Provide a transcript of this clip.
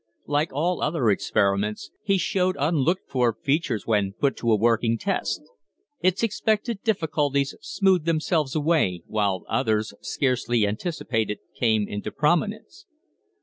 Like all other experiments, his showed unlooked for features when put to a working test. Its expected difficulties smoothed themselves away, while others, scarcely anticipated, came into prominence.